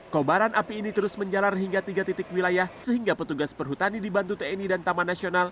kobaran api ini terus menjalar hingga tiga titik wilayah sehingga petugas perhutani dibantu tni dan taman nasional